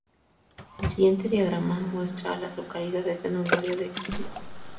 El siguiente diagrama muestra a las localidades en un radio de de Cypress.